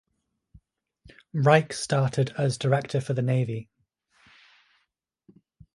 Rijk started as director for the navy.